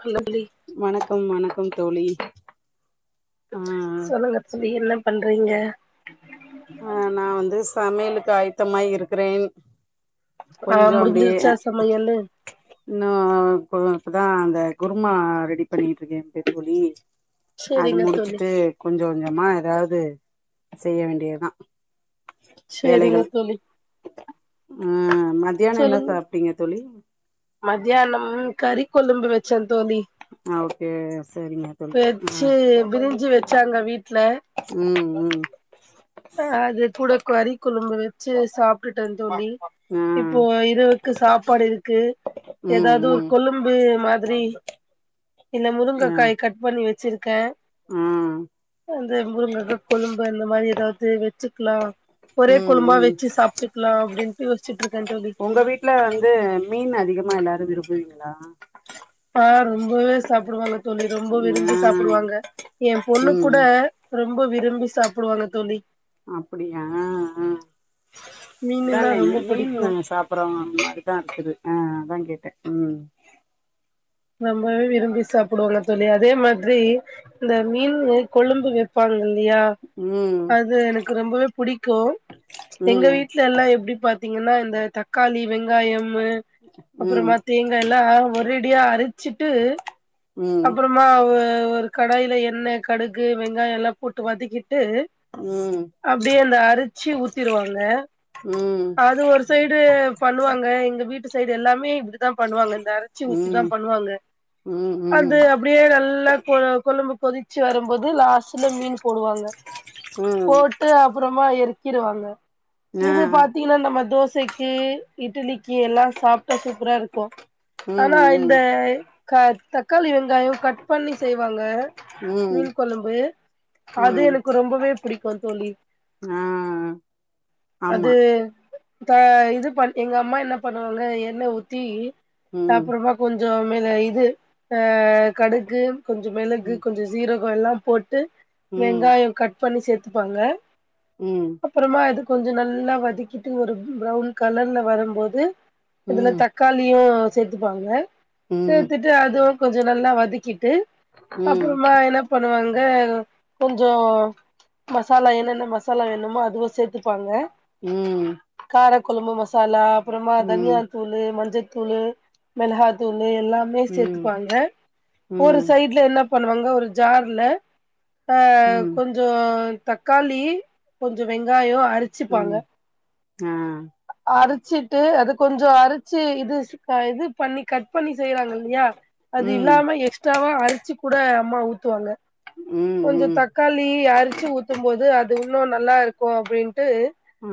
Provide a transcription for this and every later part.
hello தோழி வணக்கம் வணக்கம் தோழி ஆ சொல்லுங்க தோழி என்ன பண்ற றீங்க ஆ நா வந்து சமையலுக் காயத்தமா இருக்கிறேன் ஆ கொஞ்சோ அப்பிடியே முடிஞ்சிருச்சா சமையலு இன்னு கொ த்தா அந்த குருமா ரெடி பண்ணிட்டுருக்கே தோழி அது சேரிங்க தோழி முடிச்சுட்டு கொஞ்சோ ஞ்சமா அதாவது செய்ய வேண்டிய ஆ சேரிங்க தோழி ஆ மத்தியானோ என்ன சாப்பிட்டீங்க தோழி மதியியனம் கறி கொழம்பு வெச்சே ஆ ஓகே சரிங்க தோழி ஆ வச்சு பிரிஞ்சு வச்சாங்க வீட்ல ம் ம் ஆ அது கூட கொரைக் க் கொழும்பு வச்சி சாப்பிட்டுட்ட தோழி ஆ இப்போ இரவுக்கு சாப்பாடு இருக்கு ம் ஏதாவது ஒரு ம் கொழும்பு மாதிரி இந்த ஆ முருங்கக்காய் கட் பண்ணி வச் ச்சிருக்க ஆ அந்த முருங்கக்கா கொழும்பு இந்த மாரி ஏதா த்து வச்சுக்கலா ஒரே ம் குழம்பா ம் வச்சி சாப்பிட்டுக்கலா அப்பிடின் உங்க வீட்டு்லந்து மீன் அதிகமா எல்லாரு இருக்கு ஆ ஆ ரொம்பவே சாப்டுவாங்க சொல்லி ரொம்ப விரும்பி ம் சாப்டுவாங்க எ பொண்ணு கூட ம் ரொம்ப விரும்பி சாப்டுவாங்க தோழி அப்டியா ஆ அதான மீனுன்னா ரொம்ப மீன் புடிக்கு நம்ம சாப்பறோம் அதுதா இருக்குது அ அதா கே உம் ரொம்பவே விரும்பி சாப்பிடுவாங்க தோழி அதே மாதிரி இந்த மீன் கொழம்பு வைப்பாங்க ா ம் அது எனக்கு ரொம்பவே பிடிக்கு எங்க ம் வீட்ல எல்லா எப்டி ப பத்தீங்கனா இந்த தக்காளி வெங்காயம் அப்பறம் ம் பாத்தீங்கன்னா ஒரேடியா அரி வச்சுட்டு ம் அப்பறமா ஒரு கடாயில எண்ணெய் கடுகு வெங்காய எல்லா போட்டு வதக்கி ம் அப்டியே அந்த அரிச்சு ஊத்திருவாங்க ம் அது ஒரு சைடு பண்ணுவாங்க எங்க வீட்டு சைடு எல்லாமே தா பண்ணுவாங்க இந்த அரச்சி ஊத்தீதா ம் பண் பண்ணுவாங்க அது அப்டியே நல்லா கொழம்பு கொதிச்சு வரும்போது லாஸ்டுல மீன் போடுவாங்க ம் ம் ம் போட்டு அப்பறமா இருக்கு க்கிறுவாங்க ஆ இது பாத்தீங்கன்னா நம்ம தோசைக்கு இட்டுலி எல்லா சாப்ட்டா சூப்பரா இருக்கு உம் ஆனா உம் இந்த க கட் தக்காளி வெங்காய கட் பண்ணி செய்வாங்க ம் ம் மீன் கொழம்பு அது ம் எனக்கு ரொம்பவே பிடிக்கு தோழி ஆ அது ஆமா இது பண் எங்க அம்மா என்ன பண்ணுவாங்க எண்ண ஊத்தி உம் அப்புறமா கொஞ்சோ மேல இது ஆ கடுகு கொஞ்ச மெளகு ம் கொஞ்ச சீரோ எல்லாம் போட்டு ம் வெங்காயம் கட் பண்ணி சேத்து த்துப்பாங்க ம் அப்புறமா அது கொஞ்ச நல்லா வதக்கிட்டு ஒரு பிரவுன் கலர்ல வரும்போது இதுல ம் தக்காளியு சேத்துப்பாங்க ம் சேத்துட்டு அது கொஞ்ச நல்லா வதக்கி ட்டு ம் அப்புறமா என்ன பண்ணுவாங் க கொஞ்சோ மசாலா என்னென்ன மசாலா வேணுமோ அதுவு சேத்துப்பாங்க ம் காரக்கொழம்பு ம சாலா அப்புறமா தனியா ம் தூளு மஞ்சத் தூளு மிளகாத் தூளு எல்லாமே ம் சேத்துப்பாங்க ஒரு ம் சைட்ல என்ன பண்ணுவாங்க ஒரு ஜார்ல ஆ ம் கொஞ்சோ தக்காளி கொஞ்ச வெங்காயோ அ வெச்சுப்பாங்க ம் ஆ அ அது ச்சிட்டு அது கொஞ்சோ அரைச்சு இது ஸ் ஆ இது பண்ணி கட் பண்ணி செய்யறாங்க இல்லையா அது ம் இல்லாம எக்ஸ்ட்ராவா அரைச்சு கூட அம்மா ஊத்துவாங்க ம் கொஞ்ச ம் தக்காளி அரச்சு ஊத்தும்போது அத் அது உன்னு நல்லா இருக்கு அப்டின் ட்டு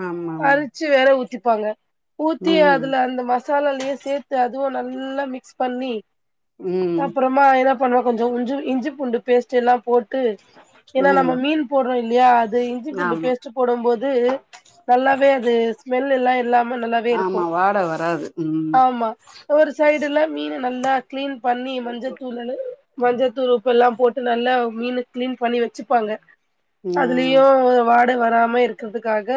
ஆமாமா அரைச்சு வேற ஊ த்திப்பாங்க ஊத்தி ம் அதுல அந்த ம சாலலையே சேத்து அதுவு நல்லா மிக்ஸ் பண்ணி ம் அப்புறமா இத பண்ணுவோ கொஞ்சொ கொஞ்சொ இஞ்சி பூண்டு பேஸ்ட் எல்லா போ ட்டு ஏன்னா நம்ம ம் மீன் போடுறோ இல்லையா அது இஞ்சி பூண்டு ஆமா பேஸ்ட் போடும்போது நல்லாவே அது ஸ்மெல் எல்லா இல்லாம நல்லாவே இருக்கு ஆமா வாட வராது ம் ஆமா ஒரு சை மீன நல்லா கிளீன் பண்ணி மஞ்சத் தூளுலு மஞ்சத் தூளு உப்பு எல்லா போட்டு நல்லா மீன கிளீன் பண்ணி வச்சுப்பாங்க ஆ அதுலயு ஒரு வா த்த வராம இருக்கிறதுக்காக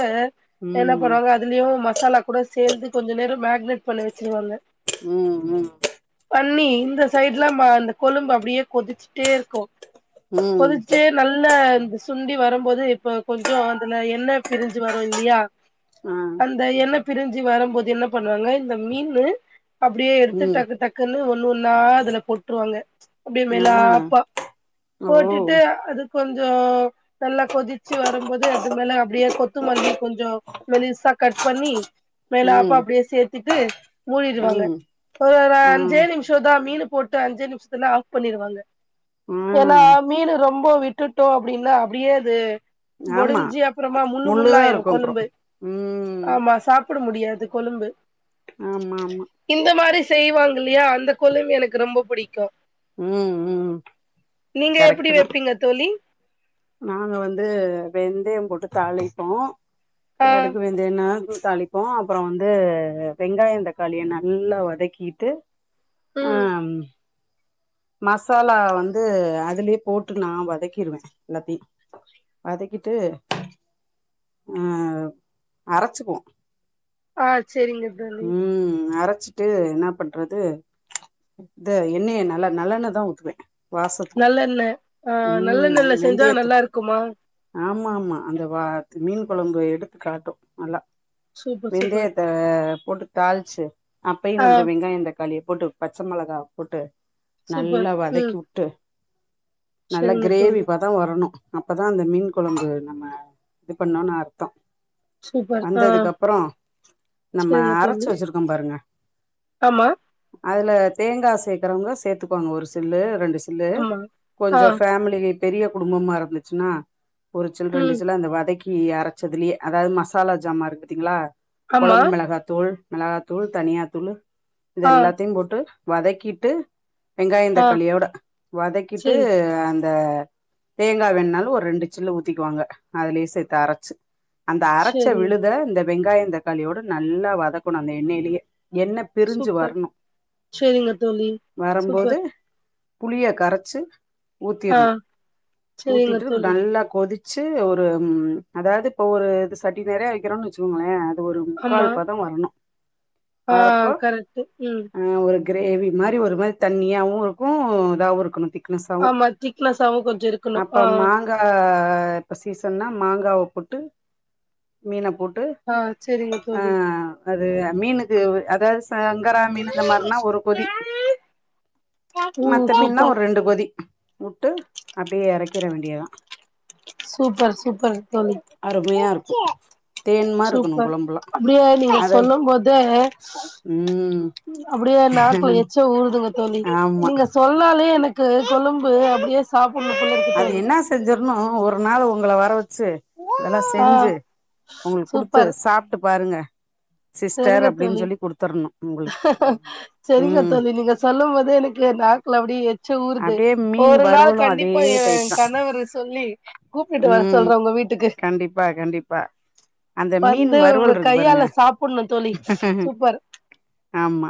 என்ன ம் பண்ணுவாங்க அதுலியு மசாலா கூட சேந்து கொஞ்சோ நேரோ மேக்னெட் பண்ணிவச்சுருவாங்க ம் ம் பண்ணி இந்த சைடு்ல்லா அந்த கொழும்பு அப்பிடியே கொதிச்சிட்டே இருக்கு ம் கொதிச்சிட்டே நல்ல சுண்டி வருபோது இப்ப கொஞ்சோ அதுல என்ன பிரிஞ்சு வரு இல்லியா ஆ அந்த என்னப் பிரிஞ்சி வருபோது என்ன பண்ணுவாங்க இந்த மீனு அப்பிடியே எடுத்து ம் டக்கு டக்குன்னு ஒன்னு ஒன்னா அதுல போட்டுருவாங்க அப்பிடியே ஆ மேலாப்பா ஓ போட்டுட்டு அது கொஞ்சோ நல்லா கொதிச்சி வரும்போது எது மேல அப்பிடியே கொத்துமல்லி கொஞ்சோ மெலிசா கட் பண்ணி மேலாப்பா ம் அப்புடியே சேர்த்துட்டு மூடிடுவாங்க ம் ஒரு ரா ஆ அஞ்சே நிமிஷ தா மீனு போட்டு அஞ்சே நிமிஷத்துல ஆஃப் பண்ணிருவாங்க ஆ ஏன்னா மீனு ரொம் போ விட்டுட்டோ அப்பிடின்னா அப்பிடியே து ஆமா பொடிஞ்சு அப்புறமா முள்ளு முள்ளுதா முள்ளாயிரு இருக்கு அப்றோ கொழும்பு ம் ஆமா சாப் ப்புட முடியாது கொழும்பு ஆமா ஆமா இந்த மாரி செய்வாங்க இல்லையா அந்த கொழும்பு எனக்கு ரொம்ப புடிக்கு ம் ம் நீங்க எப்பிடி கரெக்ட்டு தா வைப்பீங்க தோழி நாங்க வந்து வெந்தயோ போட்டு தாளிப்போ ஆ காடக்கு வேந்தன்னா தாளிப்போ அப்புறந்து வெங்காய தக்காளிய நல்லா வதக்கிட்டு ம் ஆம் மசாலா வந்து அதுலே போட்டு நா வதக்கிருவே எல்லாத்தி வதக்கிட்டு அ அரச்சிக்குவோ ஆஜ் செரிங்க தோழி வச்சிட்டு என்ன பண்றது இந்த எண்ணெய நல்லா நல்லெண்ணதா ஊத்துவ நல்லெண்ண ஆ நல்லெண்ணேல செஞ்சா நல்லா இருக்குமா ஆமாமா அந்த வா மீன் கொழம்பு எடுத்துக்காட்டும் நல்லா சூப்பர் சூப்பர் வெந்தயத்த போட்டு தாள்ச்சி அப்பையு ஆ கொஞ்சோ வெங்காயம் த தக்காளிய போட்டு பச்சமெளகா போட்டு சூப்பர் நல்லா ம் வதக்கிவுட்டு நல்ல செரிங்க தோழி கிரேவிப்பதோ வரணும் அப்பதா அந்த மின் கொழம்பு நம்ம இது பண்ணேனு அர்த்தோ சூப்பர் ஆ வந்ததுக்கப்புறோ நா ம செரிங்க அரைச்சு தோழி வச்சிருக்கோ பார் தங்கா ஆமா அதுல தேங்கா சேக்றவங்க சேத்துகுவாங்க ஒரு சில்லு ரெண்டு சில் சில்லு ஆமா ஆ கொஞ்சோ ஃபேமிலி பெரிய குடும்பமா இருந்துச்சுனா ஒரு சில்லு ரெண்டு ம் சில்லு அந்த வதக்கி கி அரச்சதுலிலே அதாவது மசாலா ஜாம இருக்கு பாத்தீங்ளா ஆமா கொழம்பு மெளகாத் தூள் மெளகாதூள் தனியாதூளு இது ஆ எல்லாத்தையு போட்டு வதக்கிட்டு வெங்காயோ ஆ தக்காளியோட வதக்கிட்டு செரி அந் இந்த தேங்காய் வேணுனாலும் ஒரு ரெண்டு சில்லு ஊத்திக்குவாங்க அதுலே சேத்து அரச்சு அந்த அரச்ச செரிங்க விழுத இந்தப் வெங்காயம் தக்காளியோட நாட் நல்லா வதக்கணும் அந்த எண்ணெயிலியே எண்ண பிரிஞ்சு சூப்பர் வர்ணு செரிங்க தோழி வரம்போது சூப்பர் புளிய கரச்சு ஆ ஊத்திருணு செரிங்க ஊத்திட்டு தோழி நல்லா கொதிச்ச ஒரு அதாவது இப்ப ஒரு இது சட்டி நெறயா வெக்குறோனு வச்சுக்கோங்களே அது ஒரு ஆமா முக்கால்ப்பதோ வரணு ஆ வரப்போ கரெக்டு உம் அ ஒரு கிரேவி மாரி ஒரு மாரி தண்ணியாவு இருக்கு இதாவு இருக்கணு திக் ஆமா திக்னஸாவு கொஞ்சோ இருக்கணு அப்ப ஆ மாங்கா இப்ப சீசன்னா மாங்காவ போட்டு மீன போட்டு ஆ சேரிங்க ஆ சொல்லு அது மீனுக்கு வ அதாவது சங்கரா மீன் இந்த மாரினா ஒரு கொதி ம் மத்த மீன்னா சூப்பர் ஒரு ரெண்டு கொதி விட்டு அப்டியே எறக்கிற வேண்டியதா சூப்பர் சூப்பர் தோழி அருமையா இருக்கு தேன்மா இருக்கணு சூப்பர் கொழம்புலா அப்டியே நீங்க அது சொல்லும் போதே ம் அப்டியே நாக்லா எச்சி ஊருது தோழி ஆமா நீங்க சொன்னாலே எனக்கு இப்பா கொழும்பு அப்டியே சாப் அது என்னா செஞ்சேம் ஒரு நாள் ஒங்கள வர வச் வச்சு இதெல்லா ஆ செஞ்சு உங்களுக்கு குடுத்து சாப்ட்டு பாருங்க சிஸ்டர் சேரிங்க அப்டின் தோழி சொல்லி குடுத்தர்ணு உங்களுக்கு சேரிங்க ம் தோழி நீங்க சொல்லும் போதே எனக்கு நாக்கல அப்டிய எச்சி ஊருது அப்டியே மீன் ஒரு நாள் வறுவலு அதே கண்டிப்பா ஏ டைப் தா கணவர சொல்லி கூப்பிட்டு வர ம் சொல்ற உங்க வீட்டுக்கு கண்டிப்பா கண்டிப்பா அந்த மீன் வந்து உங்க வறுவல் இருக்கு பாருங்க கையால சாப்ப ஆமா தோழி சூப்பர் ஆமா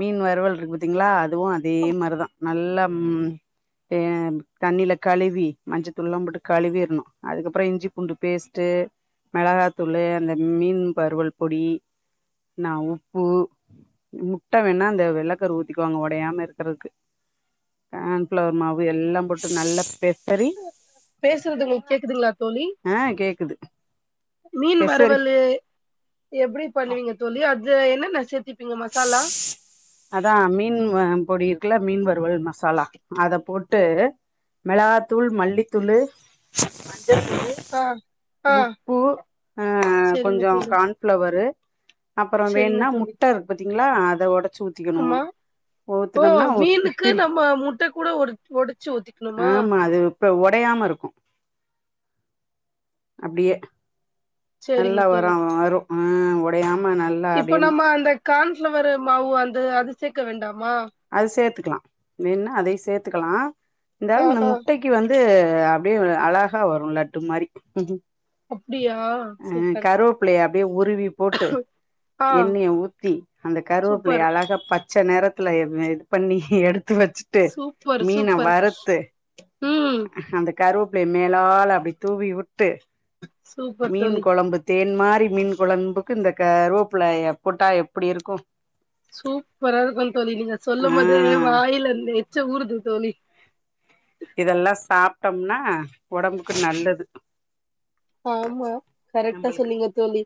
மீன் வறுவல் இருக்கு பத்தீங்களா அதுவும் அதே மாரிதா நல்லா தே தண்ணியில கழுவி மஞ்சத்தூள்ல்லா போட்டு கழுவிடணு அதுக்கப்புறம் இஞ்சி பூண்டு பேஸ்ட்டு மிளகாத்தூள் அந்த மீன் வருவல் பொடி ந உப்பு முட்ட வேணா அந்த வெள்ளக்கரு ஊத்திகோங்க உடையாம இருக்கு கான்பிளவர் மாவு எல்லா பே நல்ல பே பேசுறது உங்களுக்கு கேக்குதுங்களா தோழி ஆ கேக்குது மீன் பெசறி வறுவலு எப்டி பண்ணுவீங்க தோழி அது து என்னனா சேத்தி இங்க மசாலா அதா மீன் பொடி இருக்குல்ல மீன் வறு புல் மசாலா அத போட் ட்டு மிளகா தூள் மல்லிதூளு ஆ ஆ உப்பு அ‌ கொஞ்ச சரிங்க தோழி கன்ஃப்ளவரு அப்புறோ சரிங்க வேணுனா தோழி முட்ட இருக்குது ங்களா அத ஒடச்சி உ ஆமா ஓ மீனுக்கு நம்ம முட்ட கூட ஒடச் ஒடிச்சு ஒத்திக்கணுமா ஆமா அது இப்ப உடையாம இருக்கு அப்படியே சரிங்க நல்லா வர தோழி வரு உம் உடையம ஆமா நல்லா அப்படியே கார்ன்ஃப்ளவர் மாவு வந்து அது சேர்க்க வேண்டா அது சேத்து இருக்கலா வேனா அதையூ சேத்துக்கலா இருந்தா ஆ இந்த ஆ முட்டைக்கு வந் வந்து அப்படியே அழகா வரு லட்டு மாரி அப்டியா அ சூப்பர் கருவேப்பிலய அப்படியே உருவி போட்டு ஆ எண்ணய ஊத்தி அந்த கருவேப்பிலய சூப்பர் அழக பச் ச்ச நேரத்துல இதுல இது பண்ணி எடு எடுத்து வச்சுட்டு சூப்பர் மீன சூப்பர் வருத்து ம் அ அந்த கருவேப்பில எண்ணெய மேலால அப்படி தூவி விட்டு சூப்பர் மீன் தோழி குழம்பு தேன்மா அப்டிய மீன் குழம்புக்கு இந்த கருவேப்ல போட்டா எப்படிருகு சூப்பரா இருக்கும் தோழி நீங்க ஆ சொல்லும் போது வாயில அந்த எச்சு ஊருது தோழி இதெல்லா சாப்பிட்டோம்னா உடம்புக்கு நல்லது ஆமா கரெக்டா நம்பளுக்கு சொன்னீங்க தோழி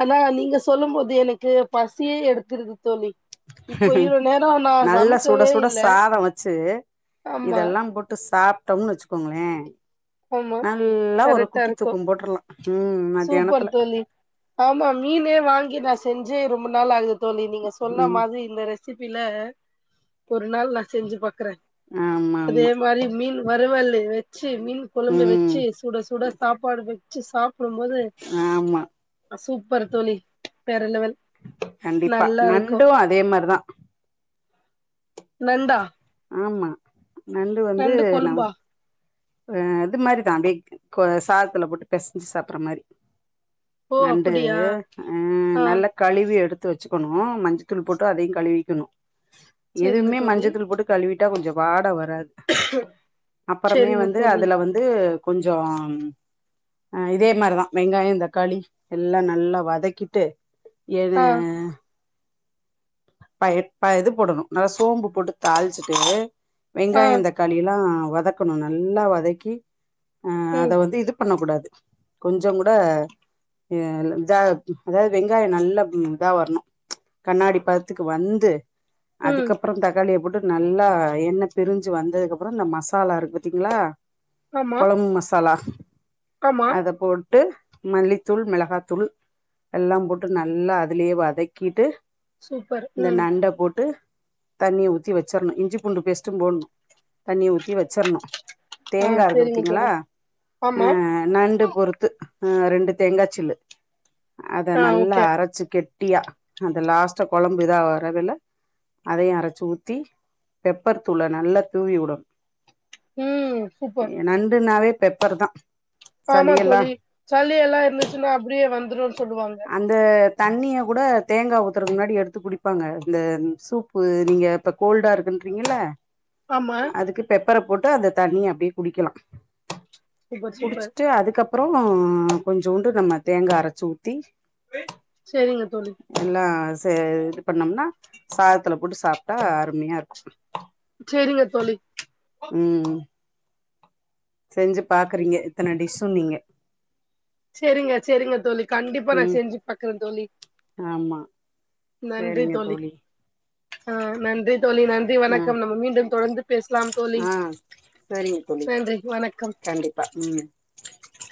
ஆனா நீங்க சொல்லு போது எனக்கு பசியே எடுத்துருது தோழி இப்போ இவ்ளோ நேரோ நா நல்ல சுட சமைக்கவே சுட இல்ல சாத வச்சி ஆமா இதெல்லா போட்டு சாப்பிட்டோம் வச்சுக்கோங்களே ஆமா நல்லா ஒரு கரெக்டா குட்டி இருக்கு தூக்கம் போட்றலா ம் மத்தியானத்துல சூப்பர் தோழி ஆமா மீனே வாங்கின செஞ்சு ரொம்ப நாள் ஆகுது தோழி நீங்க சொன்ன ம் மாரி இந்த ரெஸ் ரெசிபில ஒரு நாள் நா செஞ்சி பாக் க்கறே ஆமா அதே ஆமா மாரி மீன் வரவெலு வ ச்சி மீன் கொழும்பு வச்சி ம் சுட சுட சாப்பாடு வ ச்சி சாப் ப்புடும்போது ஆமா சூப்பர் தோழி வேர லெவல் கண்டிப்பா நல்லா இருக்கு நண்டு அதே மாரிதா நண்டா ஆமா நண்டு வந்து ந ஆ இது மாரிதா பேக் கொ சாத்துல போட்டு பிசஞ்சு சாப்பிடற மாரி ஓ நண்டு அப்படியா அ ஆ நல்ல கழிவி எடுத் த்து வச்சுக்கணு மஞ்சத்தூள் போட்டு அதையு கழுவிக்கணு செரிங்க எதுமே தோழி மஞ்சத்தூள் போட்டு கழுவிட் ட்டா கொஞ்சோ வாட வ றா அப்புறமே செரிங்க வந் து தோழி அதுல வந்து கொஞ்சோ அ இதே மாரிதா வெங்காயோ தக்காளி எல்லா நல்லா வதக்கிட்டு ஏன ஆ பய பயது போடணு நல்லா சோம்பு போட்டு தாளிச்சிட்டு ஆ வெங்காயோ தக்காளில்லா வதக்கணு நல்லா வதக்கி ஆ அதை ம் வந்து இது பண்ணக்க கூடாது கொஞ்சோ கூட இத அதாது வெங்காயோ நல்லா இதா வரணு கண்ணாடி பாத் த்துக்கு வந்து ம் அதுக்கப்புறம் தக்காளிய போட்டு நல்லா எண்ணெய் பிரிஞ்சி வந்ததுக்கு அப்புறோ இந்த மசாலா இருக்கு பாத்தீங்களா ஆமா கொழம்பு மசாலா ஆமா அத போடு ட்டு மல்லித்தூள் மெளகாத்தூள் எல்லா போட்டு நல்லா அதுலேயே வதக்கிட்டு சூப்பர் இந்த ம் நண்ட போட்டு தண்ணி ஊத்தி வச்சிரணு இஞ்சி பூண்டு பேஸ்ட்டு போடணு தண்ணி ஊத்தி வச்சிரணு ஆ தேங்கா இருக்கு செரிங்க பாத்தீங்களா தோழி ஆ ஆமா நண்டு பொரு த்து ஆ ரெண்டு தேங்கா சில்லு அத ஆ நல்லா ஓகே அரைச்சு கெட் ட்டியா அந்த லாஸ்டா கொழம்பு விதா வரவில்ல அதையு அரைச்சு ஊத்தி பெப்பர் தூள நல்லா தூவி விடனு ம் சூப்பர் நண்டு நாவே பெப்பர் தா ஆமா சளியெல்லா தோழி சலி எல்லா இருந்துச்சுன்னா அப்படியே வந்து துரு அந்த தண்ணிய கூட தேங்கா ஊ க்குருக்கு முன்னாடி எடுத்து குடிப்பாங்க இந்த சூப்பு நீங்க இப்ப கோல்டா இருக்குன்றீங்கல்ல ஆமா அதுக்கு பெப்பர போட்டு அத தண்ணிய அப்டியே குடிக்கலா சூப்பர் சூப்பர் குடிச்சுட்டு அதுக்கப் அப்பறோ கொஞ்சூண்டு நம்ம தேங்கா அரைச்சி ஊத் த்தி செரிங்க தோலி ஏ இது பன்ணோம்னா சாததுல போட்டு சாப்ட்டா அருமையா யிருக்கு செரிங்க தோலி செஞ்சி பாக்குறிங்க இத்தன டிஷ்ஷு நீங்க செரிங்க செரிங்க தோலி கண்டிபா நா ம் செஞ்சி பாக்குற தோலி ஆமா நன்றி சேரிங்க தோலி தோழி ஆ நன்றி தோலி நன்றி நன்றி ஆ வணக்கம் நம்ம மீண்டும் தொடந்து பேசலாம் தோழி ஆ சேரிங்க தோழி நன்றி வணக்கம் கண்டிப்பா ம்